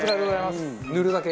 塗るだけ。